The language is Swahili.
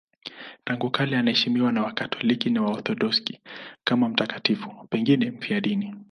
Tangu kale anaheshimiwa na Wakatoliki na Waorthodoksi kama mtakatifu, pengine mfiadini.